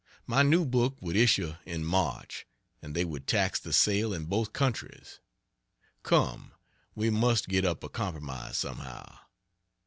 My new book would issue in March, and they would tax the sale in both countries. Come, we must get up a compromise somehow.